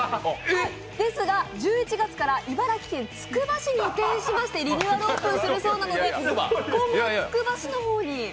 ですが、１１月から茨城県つくば市に移転しましてリニューアルオープンするそうなので、今後つくば市の方に。